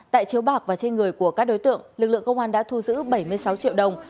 tại chiếu bạc và trên người của các đối tượng lực lượng công an đã thu giữ bảy mươi sáu triệu đồng